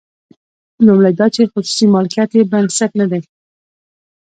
لومړی دا چې خصوصي مالکیت یې بنسټ نه دی.